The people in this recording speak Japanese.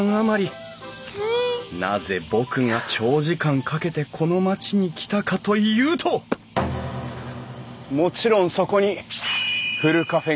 なぜ僕が長時間かけてこの街に来たかというともちろんそこにふるカフェがあるから。